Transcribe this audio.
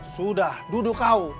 sudah duduk kau